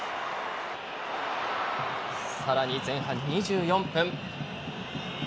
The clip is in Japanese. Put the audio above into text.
さらに前半２４分。